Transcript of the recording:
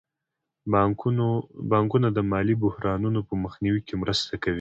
بانکونه د مالي بحرانونو په مخنیوي کې مرسته کوي.